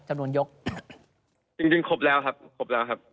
จำนวนยกจริงจริงครบแล้วครับครบแล้วครับ